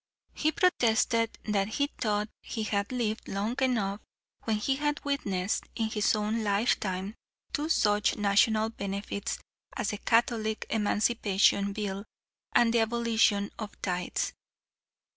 He protested that he thought he had lived long enough when he had witnessed in his own life time two such national benefits as the Catholic Emancipation Bill and the Abolition of Tithes.